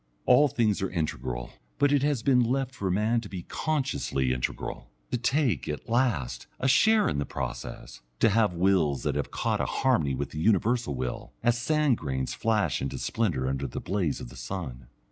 All things are integral, but it has been left for men to be consciously integral, to take, at last, a share in the process, to have wills that have caught a harmony with the universal will, as sand grains flash into splendour under the blaze of the sun.